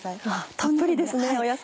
たっぷりですね野菜。